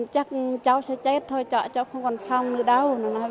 chắc cháu sẽ chết thôi cháu không còn sống nữa đâu